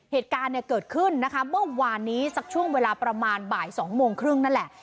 เหตุการณ์เนี่ยเกิดขึ้นนะคะเมื่อวานนี้สักช่วงเวลาประมาณบ่าย๒โมงครึ่งนั่นแหละ